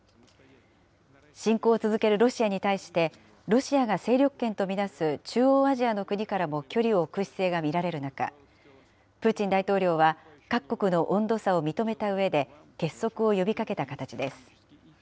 侵攻を続けるロシアに対して、ロシアが勢力圏と見なす中央アジアの国からも距離を置く姿勢が見られる中、プーチン大統領は、各国の温度差を認めたうえで、結束を呼びかけた形です。